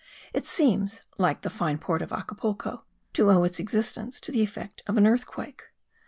It seems, like the fine port of Acapulco, to owe its existence to the effect of an earthquake.